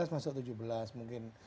tiga belas masuk tujuh belas mungkin